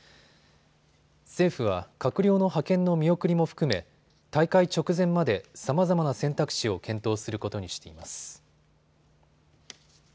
政府は閣僚の派遣の見送りも含め大会直前までさまざまな選択肢を検討することにしています。